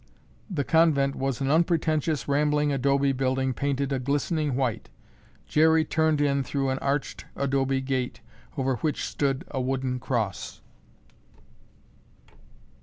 The convent was an unpretentious rambling adobe building painted a glistening white. Jerry turned in through an arched adobe gate over which stood a wooden cross.